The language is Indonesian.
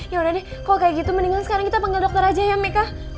yaudah deh kok kayak gitu mendingan sekarang kita panggil dokter aja ya meka